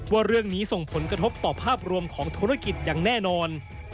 ว่าเรื่องนี้ส่งผลกระทบต่อภาพรวมของธุรกิจอย่างแน่นอน